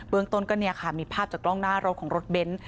เบื้องต้นก็มีภาพจากกล้องหน้ารถของรถเบนท์